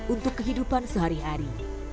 untuk kehidupan sehari hari